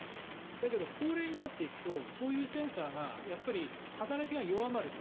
だけど、高齢になっていくとそういうセンサーが働きが弱まると。